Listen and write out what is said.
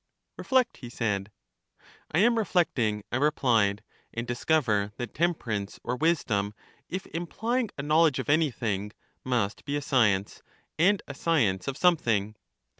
Reflect, he said. I am reflecting, I replied, and discover that tem perance, or wisdom, if implying a knowledge of any thing, must be a science, and a science of something.